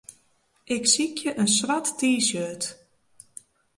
Ik sykje in swart T-shirt.